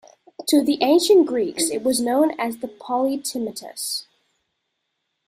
To the ancient Greeks it was known as the Polytimetus.